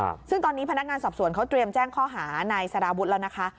ครับซึ่งตอนนี้พนักงานสอบสวนเขาเตรียมแจ้งข้อหานายสารวุฒิแล้วนะคะ